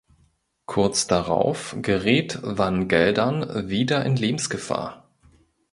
Kurz darauf gerät van Geldern wieder in Lebensgefahr.